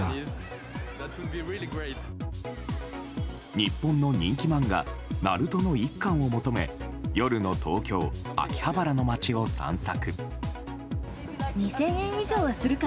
日本の人気漫画「ＮＡＲＵＴＯ‐ナルト‐」の１巻を求め、夜の東京秋葉原の街を散策。